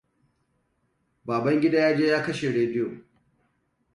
Babangida yaje ya kashe radio.